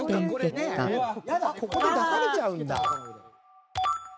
ここで出されちゃうんだ！